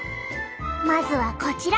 まずはこちら。